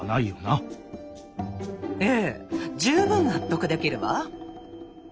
ええ十分納得できるわ。